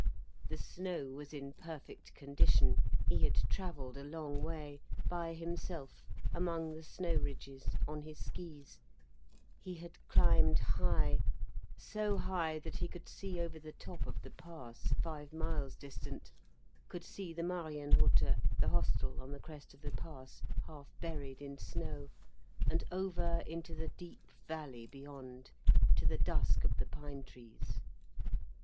The snow was in perfect condition, he had travelled a long way, by himself, among the snow ridges, on his skis, he had climbed high, so high that he could see over the top of the pass, five miles distant, could see the Marienhütte, the hostel on the crest of the pass, half buried in snow, and over into the deep valley beyond, to the dusk of the pine trees.